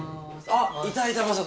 あっいたいた雅人。